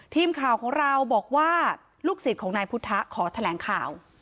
ทีมข่าวของเราบอกว่าลูกศิษย์ของนายพุทธะขอแถลงข่าว